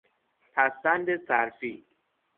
پسوند صرفی